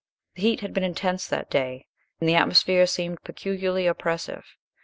The heat had been intense that day, and the atmosphere seemed peculiarly oppressive.